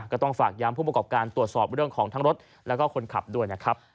ก็ต้องฝากย้ำผู้ประกอบการตรวจสอบเรื่องของทั้งรถแล้วก็คนขับด้วยนะครับ